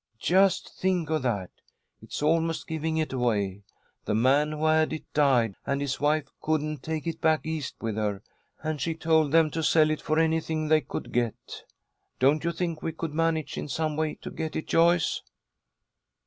Just think of that. It's almost giving it away. The man who had it died, and his wife couldn't take it back East with her, and she told them to sell it for anything they could get. Don't you think we could manage in some way to get it, Joyce?"